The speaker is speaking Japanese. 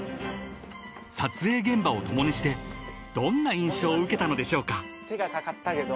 ［撮影現場を共にしてどんな印象を受けたのでしょうか］